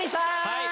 はい。